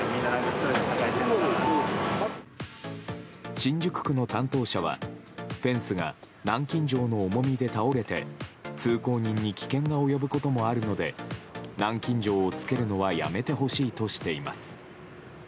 新宿区の担当者はフェンスが南京錠の重みで倒れて通行人に危険が及ぶこともあるので南京錠をつけるのはやめてほしいとしています。